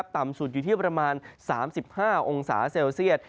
ต่ำสุดอยู่ที่ประมาณ๓๕องศาเซลเซียต